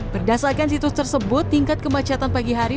berdasarkan situs tersebut tingkat kemacetan pagi hari